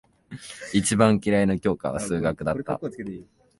一番嫌いな教科は数学だった。